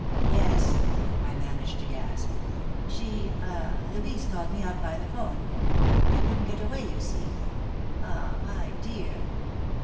"Yes?" I managed to gasp. "She ah Louise called me up by the 'phone. I couldn't get away, you see ah my dear."